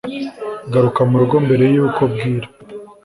garuka murugo mbere yuko bwira